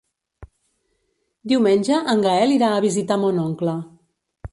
Diumenge en Gaël irà a visitar mon oncle.